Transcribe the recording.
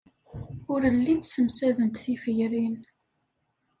Ur llint ssemsadent tiferyin.